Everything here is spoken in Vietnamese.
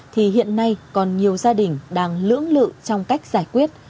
thì hiện nay còn nhiều gia đình đang lưỡng lự trong cách giải quyết